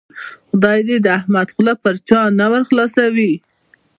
خدای دې د احمد خوله پر چا نه ور خلاصوي.